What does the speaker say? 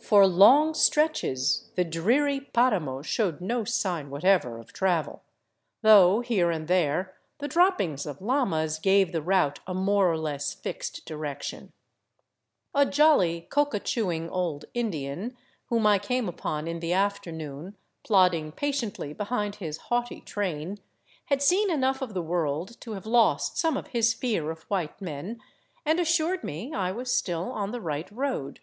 For long stretches the dreary paramo showed no sign whatever of travel, though here and there the droppings of llamas gave the route a more or less fixed direction. A jolly, coca chewing old Indian, whom I came upon in the afternoon plodding patiently behind his haughty train, had seen 364 OVERLAND TOWARD CUZCO enough of the world to have lost some of his fear of white men and assured me I was still on the right road.